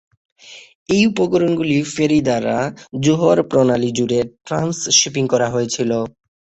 এই উপকরণগুলি ফেরি দ্বারা জোহর প্রণালী জুড়ে ট্রান্স-শিপিং করা হয়েছিল।